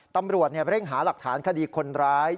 ตำรวจเร่งหาหลักฐานคดีคนร้าย